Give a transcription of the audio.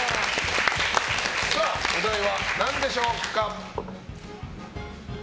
お題は何でしょうか。